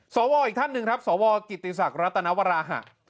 สวอีกท่านหนึ่งครับสวกิติศักดิรัตนวราหะ